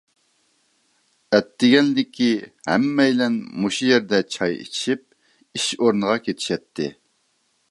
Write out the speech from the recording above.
ئەتىگەنلىكى ھەممەيلەن مۇشۇ يەردە چاي ئىچىشىپ ئىش ئورنىغا كېتىشەتتى.